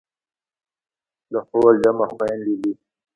د خور جمع خویندې دي.